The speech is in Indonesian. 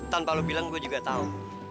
tanpa lu bilang gue juga tau